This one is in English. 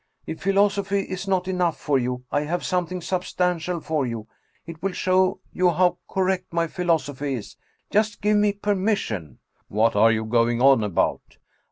If philosophy is not enough for you, I have something substan tial for you. It will show you how correct my philosophy is. Just give me permission " "What are you going on about?"